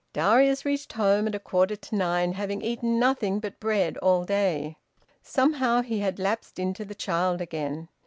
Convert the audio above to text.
Darius reached home at a quarter to nine, having eaten nothing but bread all day. Somehow he had lapsed into the child again.